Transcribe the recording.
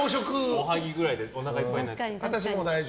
おはぎぐらいでおなかいっぱいになる。